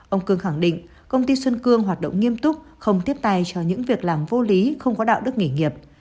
ông cương khẳng định công ty xuân cương hoạt động nghiêm túc không tiếp tay cho những việc làm vô lý không có đạo đức nghề nghiệp